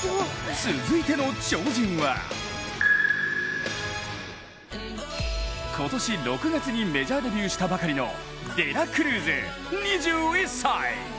続いての超人は今年６月にメジャーデビューしたばかりのデラクルーズ、２１歳。